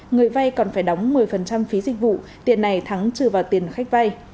người vay còn phải đóng một mươi phí dịch vụ tiền này thắng trừ vào tiền khách vay